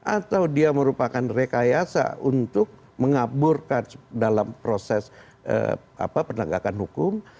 atau dia merupakan rekayasa untuk mengaburkan dalam proses penegakan hukum